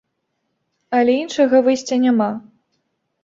Але іншага выйсця няма.